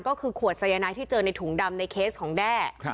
ก็คือขวดสายนายที่เจอในถุงดำในเคสของแด้